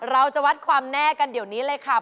เราจะวัดความแน่กันเดี๋ยวนี้เลยค่ะ